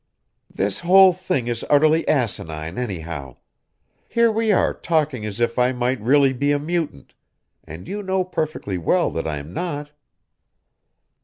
"This whole thing is utterly asinine, anyhow. Here we are, talking as if I might really be a mutant, and you know perfectly well that I'm not."